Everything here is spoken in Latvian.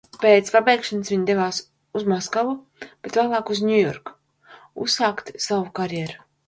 Pēc pabeigšanas viņa devās uz Maskavu, bet vēlāk uz Ņujorku uzsākt savu karjeru.